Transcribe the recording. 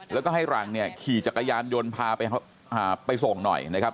แล้วก็ให้หลังเนี่ยขี่จักรยานยนต์พาไปส่งหน่อยนะครับ